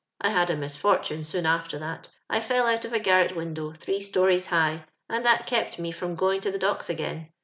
I had a misfortune soon after that. I fell out of a garret window, three stories high, and tliat kept me from going to the Docks again.